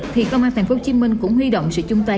thì công an tp hcm cũng huy động sự chung tay